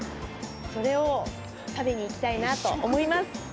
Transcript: それを食べに行きたいなと思います。